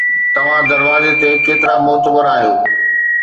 توهان دروازي تي ڪيترا معتبر آهيو